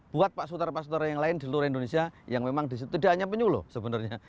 buat pak sutar pak sudara yang lain di seluruh indonesia yang memang di situ tidak hanya penyu loh sebenarnya